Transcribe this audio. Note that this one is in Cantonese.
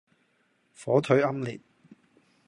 火腿奄列